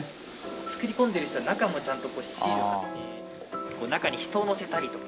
作り込んでる人は中もちゃんとこうシールを貼って中に人を乗せたりとか。